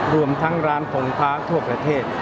รวมทั้งร้านคงค้าทั่วประเทศ